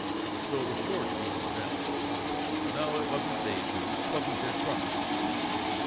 So it was sure to be from them." "No, it wasn't they two; 'twasn't their trunks."